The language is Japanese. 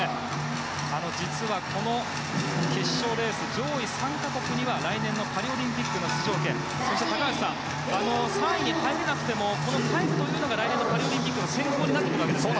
実は、この決勝レース上位３か国には来年のパリオリンピックの出場権そして高橋さん３位に入れなくてもタイムというのが来年のパリオリンピック選考で重要になるわけですね。